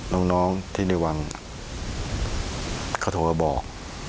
น้องที่ในวังเขาโทรมาบอก